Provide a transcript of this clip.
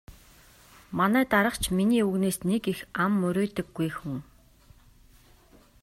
Манай дарга ч миний үгнээс нэг их ам мурийдаггүй хүн.